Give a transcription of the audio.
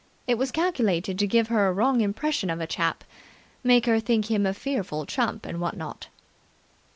It was calculated to give her a wrong impression of a chap make her think him a fearful chump and what not!